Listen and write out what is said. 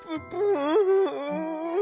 うん？